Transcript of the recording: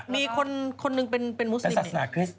มีคน๑คนเป็นมุสลิมเป็นศาสนาคริสต์